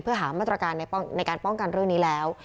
เพื่อหามาตรการในการป้องกันเรื่องนี้แล้ว